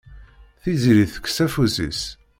Tiziri tekkes afus-is.